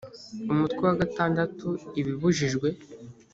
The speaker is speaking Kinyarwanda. umutwe wa gatandatu ibibujijwe